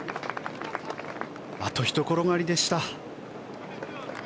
あとひと転がりでした。